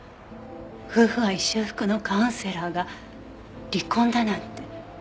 夫婦愛修復のカウンセラーが離婚だなんて。